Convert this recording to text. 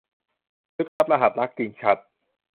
สืบลับรหัสรัก - กิ่งฉัตร